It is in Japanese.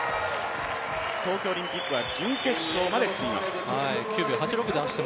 東京オリンピックは準決勝まで進みました。